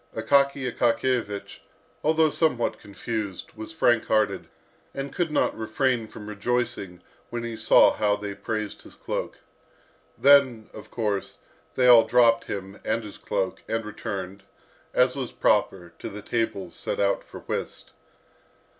Akaky Akakiyevich, although somewhat confused, was frank hearted, and could not refrain from rejoicing when he saw how they praised his cloak. Then, of course, they all dropped him and his cloak, and returned, as was proper, to the tables set out for whist.